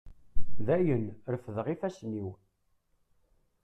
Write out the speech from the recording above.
Dayen, refdeɣ ifassen-iw.